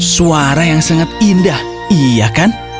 suara yang sangat indah iya kan